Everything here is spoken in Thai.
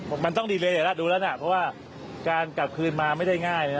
มันต้องดีเลยล่ะดูแล้วนะเพราะว่าการกลับคืนมาไม่ได้ง่ายนะ